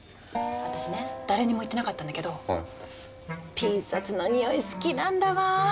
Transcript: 私ね誰にも言ってなかったんだけどピン札の匂い好きなんだわあ。